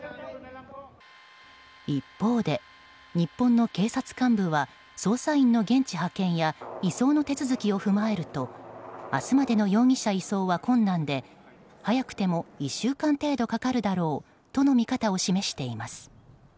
一方で、日本の警察幹部は捜査員の現地派遣や移送の手続きを踏まえると明日までの容疑者移送は困難で早くても１週間程度かかるだろうとの見方を示しています。